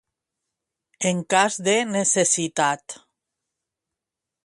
En cas de necessitat.